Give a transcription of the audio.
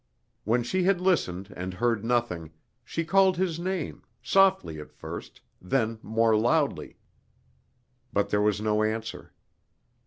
When she had listened, and heard nothing, she called his name, softly at first, then more loudly. But there was no answer.